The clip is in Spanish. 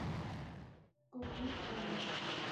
Con Lee Konitz